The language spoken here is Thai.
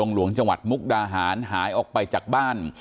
หลวงจังหวัดมุกดาหารหายออกไปจากบ้าน